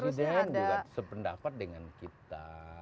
presiden juga sependapat dengan kita